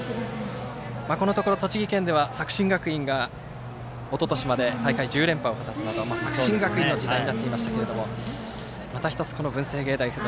このところ栃木県では作新学院がおととしまで大会１０連覇を果たすなど作新学院の時代になっていましたがまた一つこの文星芸大付属